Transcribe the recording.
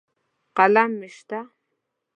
قلم مې شته.